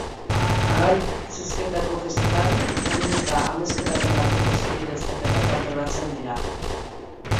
Abaltzisketako festetan, honen eta Amezketaren arteko zaldi-lasterketak antolatzen dira.